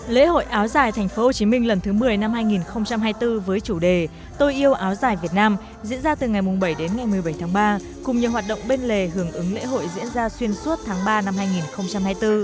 lễ hội áo giải tp hcm lần thứ một mươi năm hai nghìn hai mươi bốn với chủ đề tôi yêu áo dài việt nam diễn ra từ ngày bảy đến ngày một mươi bảy tháng ba cùng nhiều hoạt động bên lề hưởng ứng lễ hội diễn ra xuyên suốt tháng ba năm hai nghìn hai mươi bốn